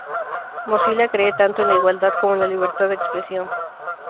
Mozilla cree tanto en la igualdad como en la libertad de expresión.